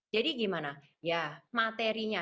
jadi gimana ya materinya